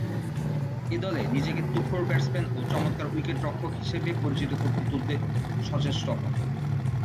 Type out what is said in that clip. এ দলে নিজেকে তুখোড় ব্যাটসম্যান ও চমৎকার উইকেট-রক্ষক হিসেবে পরিচিত করতে তুলতে সচেষ্ট হন।